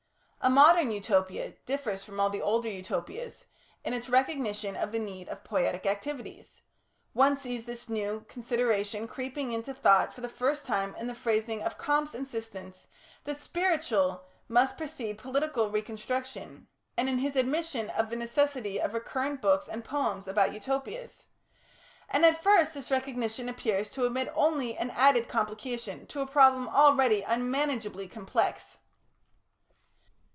A modern Utopia differs from all the older Utopias in its recognition of the need of poietic activities one sees this new consideration creeping into thought for the first time in the phrasing of Comte's insistence that "spiritual" must precede political reconstruction, and in his admission of the necessity of recurrent books and poems about Utopias and at first this recognition appears to admit only an added complication to a problem already unmanageably complex.